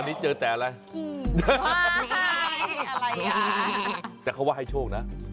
ตอนนี้เจอแต่อะไรคี่ว่าให้อะไรอ่ะแต่เขาว่าให้โชคนะ